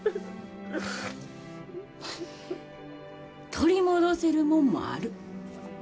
取り戻せるもんもある。